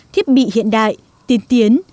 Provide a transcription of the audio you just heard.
thiết bị hiện đại tiên tiến